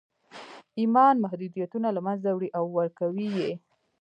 ایمان محدودیتونه له منځه وړي او ورکوي یې